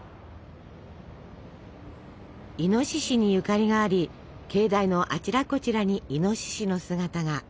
イノシシにゆかりがあり境内のあちらこちらにイノシシの姿が。